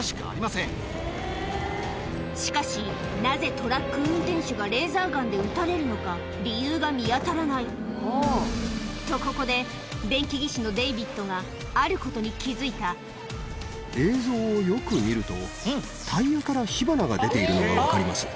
しかしなぜトラック運転手がレーザーガンで撃たれるのか理由が見当たらないとここで電気技師のデイビッドがあることに気付いた映像をよく見るとタイヤから火花が出ているのが分かります。